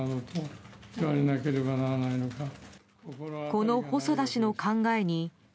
この細田氏の考えに。